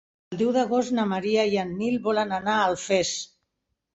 El deu d'agost na Maria i en Nil volen anar a Alfés.